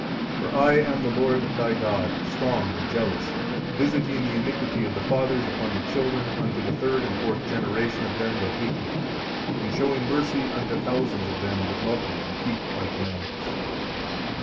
] 30 For I am the Lord, thy God, strong and jealous, visiting the iniquity of the fathers upon the children unto the third and fourth generation of them that hate Me; and showing mercy unto thousands of them that love Me and keep My commandments.